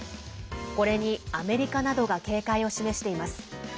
これにアメリカなどが警戒を示しています。